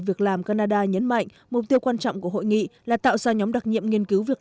việc làm canada nhấn mạnh mục tiêu quan trọng của hội nghị là tạo ra nhóm đặc nhiệm nghiên cứu việc